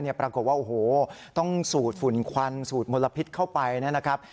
ปรากฏว่าโอ้โหต้องสูดฝุ่นควันสูดมลพิษเข้าไปนะครับ